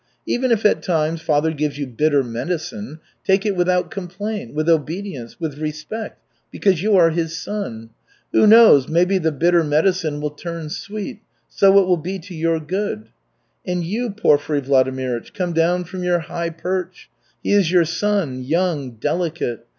Even if at times father gives you bitter medicine, take it without complaint, with obedience, with respect, because you are his son. Who knows, maybe the bitter medicine will turn sweet so it will be to your good. And you, Porfiry Vladimirych, come down from your high perch. He is your son, young, delicate.